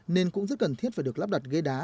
nên cũng rất cần thiết phải được lắp đặt ghế đá